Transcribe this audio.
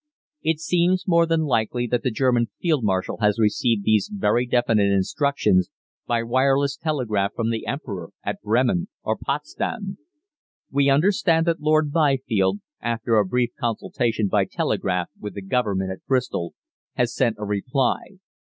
"It seems more than likely that the German Field Marshal has received these very definite instructions by wireless telegraph from the Emperor at Bremen or Potsdam. "We understand that Lord Byfield, after a brief consultation by telegraph with the Government at Bristol, has sent a reply.